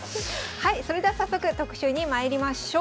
はいそれでは早速特集にまいりましょう。